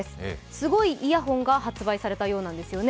すごいイヤホンが発売されたようなんです。